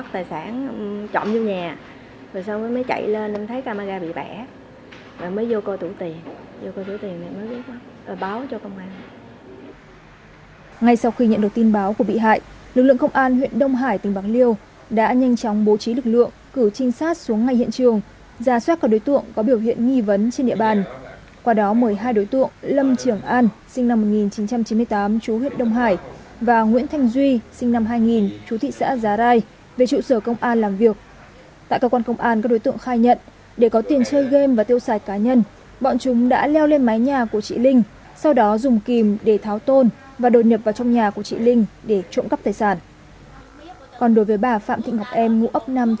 trước đó ông xã mới nói là mất tài sản trộm vô nhà rồi xong mới chạy lên em thấy camera bị bẻ rồi mới vô coi tủ tiền vô coi tủ tiền này mới biết rồi báo cho công an